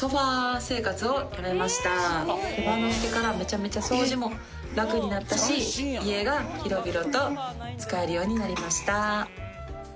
手放してからめちゃめちゃ掃除も楽になったし家が広々と使えるようになりました。